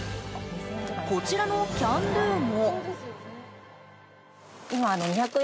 こちらのキャンドゥも。